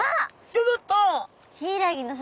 ギョギョッと！